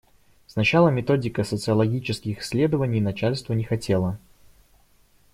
Сначала методика социологических исследований, начальство не хотело.